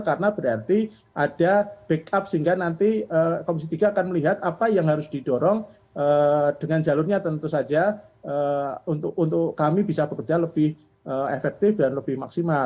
karena berarti ada backup sehingga nanti komisi tiga akan melihat apa yang harus didorong dengan jalurnya tentu saja untuk kami bisa bekerja lebih efektif dan lebih maksimal